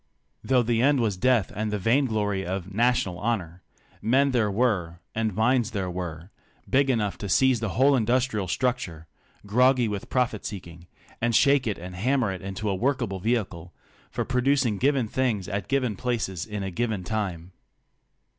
Though the end was death and the vainglory of "national honor," men there were, and minds there were, big enough to seize the whole industrial structure — groggy with profit seeking — and shake it and hammer it into a workable vehicle for 3 Chiozza Money, The Triumph of NationaUzation. producing given things at given places in a given time.